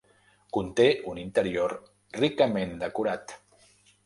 Conté un interior ricament decorat.